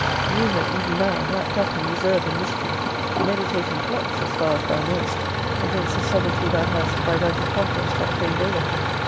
View her, even now, wrapt up in reserve and mystery; meditating plots, as far as thou knowest, against the sovereignty thou hast, by right of conquest, obtained over her.